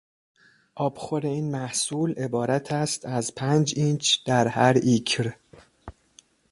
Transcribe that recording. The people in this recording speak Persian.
آبخور این محصول عبارتست از پنج اینچ در هر ایکر